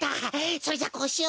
それじゃあこうしよう！